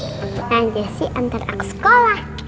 tadi jessi antar aku ke sekolah